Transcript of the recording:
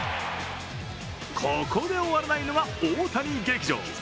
ここで終わらないのが大谷劇場。